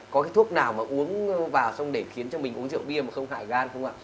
có cái thuốc nào mà uống vào xong để khiến cho mình uống rượu bia mà không khả gan không ạ